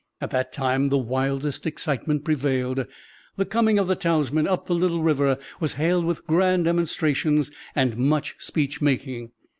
At that time the wildest excitement prevailed. The coming of the Talisman up their little river was hailed with grand demonstrations and much speech making.